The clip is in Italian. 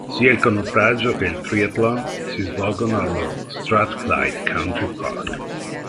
Sia il canottaggio che il triathlon si svolgono allo Strathclyde Country Park.